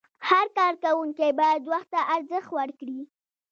هر کارکوونکی باید وخت ته ارزښت ورکړي.